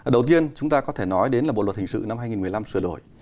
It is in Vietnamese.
đầu tiên chúng ta có thể nói đến là bộ luật hình sự năm hai nghìn một mươi năm sửa đổi